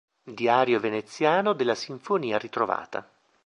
Diario veneziano della sinfonia ritrovata".